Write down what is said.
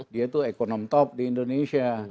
dia itu ekonom top di indonesia